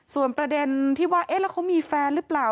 ส่วนประเด็นที่ว่าเอ๊ะแล้วเขามีแฟนหรือเปล่า